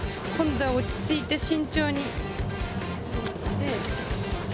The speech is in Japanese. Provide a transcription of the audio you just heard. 今度は落ち着いて慎重に。